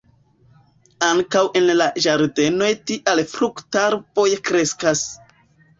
Ankaŭ en la ĝardenoj tiaj fruktarboj kreskas.